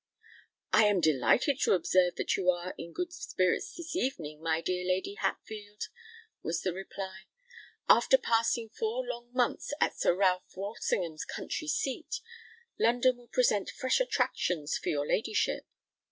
"I am delighted to observe that you are in good spirits this evening, my dear Lady Hatfield," was the reply. "After passing four long months at Sir Ralph Walsingham's country seat, London will present fresh attractions for your ladyship."